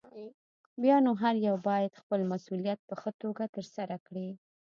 بيا نو هر يو بايد خپل مسؤليت په ښه توګه ترسره کړي.